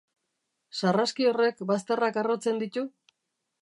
Sarraski horrek bazterrak harrotzen ditu?